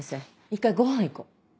一回ごはん行こう。